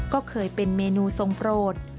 ก็เคยเป็นเมนูทรงโปรด